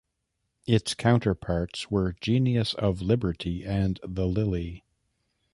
Its counterparts were "Genius of Liberty" and the "Lily".